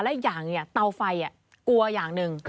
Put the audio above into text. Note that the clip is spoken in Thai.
และอีกอย่างเตาไฟกลัวอย่างหนึ่ง